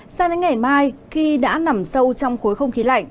sang đến ngày mai khi đã nằm sâu trong khối không khí lạnh